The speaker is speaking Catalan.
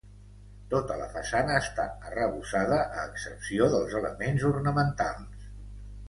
Tota la façana està arrebossada a excepció dels elements ornamentals.